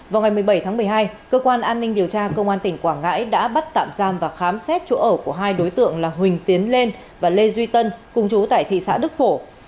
vào ngày một mươi bảy tháng một mươi hai cơ quan an ninh điều tra công an tỉnh quảng ngãi đã bắt tạm giam và khám xét chỗ ở của hai đối tượng là huỳnh tiến lên và lê duy tân cùng chú tại thị xã đức phổ